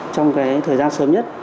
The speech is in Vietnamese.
trong cái thời gian sớm nhất